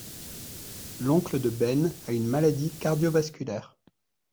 L’oncle de Ben a une maladie cardiovasculaire.